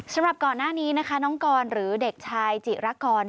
สำหรับก่อนหน้านี้นะคะน้องกรหรือเด็กชายจิรกร